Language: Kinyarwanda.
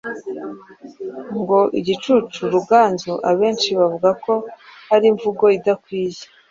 ngo igicucu Ruganzu, abenshi bavuga ko ari imvugo idakwiye